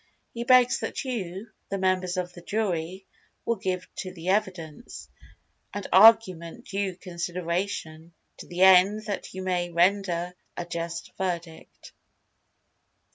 He begs that you, the members of the jury, will give to the evidence, and argument, due consideration, to the end that you may render a just verdict.